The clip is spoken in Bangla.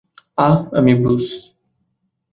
আঃ, আমি ব্রুস।